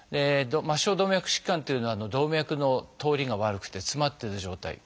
末梢動脈疾患っていうのは動脈の通りが悪くて詰まってる状態。